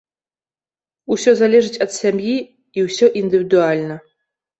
Усё залежыць ад сям'і і ўсё індывідуальна.